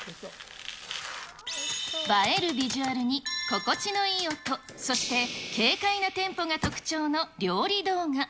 映えるビジュアルに、心地のいい音、そして、軽快なテンポが特徴の、料理動画。